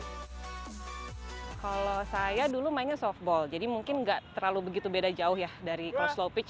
kalau saya dulu mainnya softball jadi mungkin nggak terlalu begitu beda jauh ya dari kalau slow pitch